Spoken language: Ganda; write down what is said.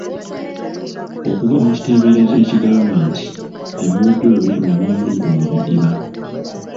Okuva mu kiteeberezo ekigamba nti ebiwojjolo binuuna omunnyu mu bidiba.